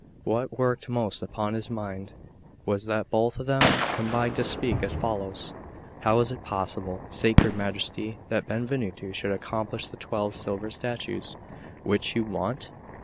What worked most upon his mind was that both of them combined to speak as follows: "How is it possible, sacred Majesty, that Benvenuto should accomplish the twelve silver statues which you want?